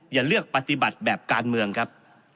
อย่าเลือกปฏิบัติแบบการเมืองครับ